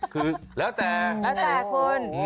คือแล้วแต่แล้วแต่คุณ